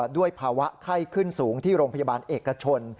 ด้วยภาวะไข้ขึ้นสูงที่โรงพยาบาลเอกชน